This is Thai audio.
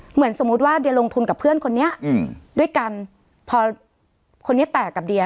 เหมือนสมมุติว่าเดียลงทุนกับเพื่อนคนนี้อืมด้วยกันพอคนนี้แตกกับเดีย